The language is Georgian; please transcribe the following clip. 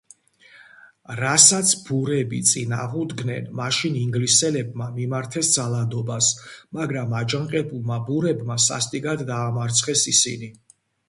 რასაც ბურები წინ აღუდგნენ, მაშინ ინგლისელებმა მიმართეს ძალადობას, მაგრამ აჯანყებულმა ბურებმა სასტიკად დაამარცხეს ისინი.